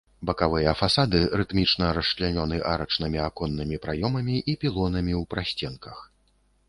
Бакавыя фасады рытмічна расчлянёны арачнымі аконнымі праёмамі і пілонамі ў прасценках.